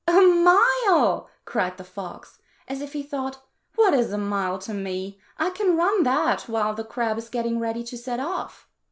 "A mile!" cried the fox, as if he thought, " What is a mile to me? I can run that while the crab is getting ready to set off."